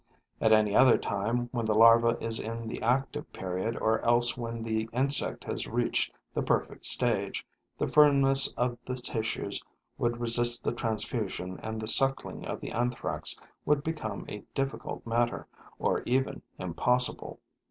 At any other time, when the larva is in the active period or else when the insect has reached the perfect stage, the firmness of the tissues would resist the transfusion and the suckling of the Anthrax would become a difficult matter, or even impossible.